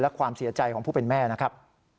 และความเสียใจของผู้เป็นแม่นะครับ